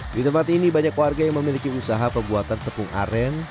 di tempat ini banyak warga yang memiliki usaha pembuatan tepung aren